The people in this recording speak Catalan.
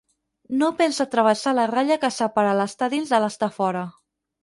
No pensa travessar la ratlla que separa l'estar dins de l'estar fora.